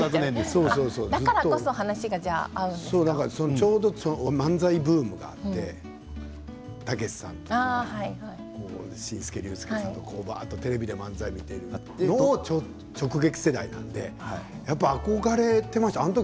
ちょうど漫才ブームがあってたけしさんとか紳助・竜介さんテレビで見て、直撃世代なので憧れていました。